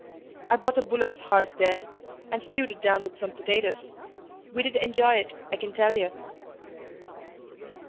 I bought a bullock's heart there, and stewed it down with some potatoes; we did enjoy it, I can tell you."